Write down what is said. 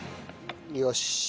よし。